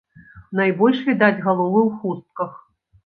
Найбольш відаць галовы ў хустках.